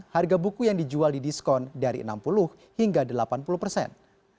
harga buku yang dijual di diskon dari enam puluh hingga delapan puluh persen